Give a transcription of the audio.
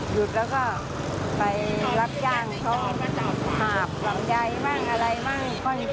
ใช้สูตรขนมมาจากไหน